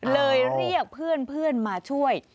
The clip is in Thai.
เรียกเพื่อนมาช่วย